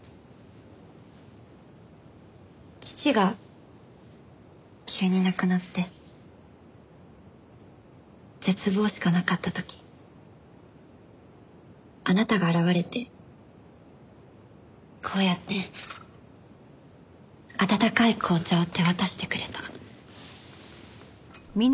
父が急に亡くなって絶望しかなかった時あなたが現れてこうやって温かい紅茶を手渡してくれた。